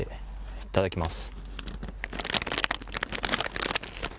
いただきます。